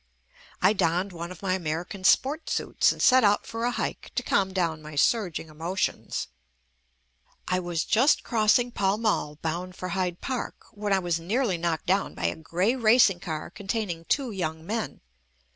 I donned one of my American sport suits and set out for a "hike" to calm down my surg ing emotions. I was just crossing "Pall Mall" bound for Hyde Park when I was nearly knocked down by a grey racing car containing two young men.